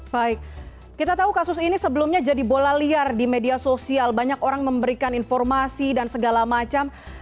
baik kita tahu kasus ini sebelumnya jadi bola liar di media sosial banyak orang memberikan informasi dan segala macam